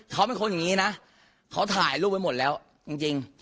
เขาเป็นคนอย่างนี้นะเขาถ่ายรูปไว้หมดแล้วจริง